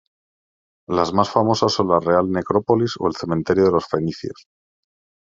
Las más famosas son la Real Necrópolis o el Cementerio de los Fenicios.